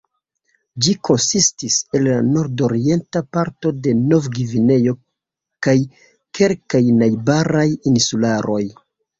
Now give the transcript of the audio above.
Ĝi konsistis el la nordorienta parto de Novgvineo kaj kelkaj najbaraj insularoj.